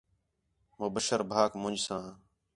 مبشر بھاک مُنڄ ساں